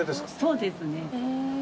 そうですね。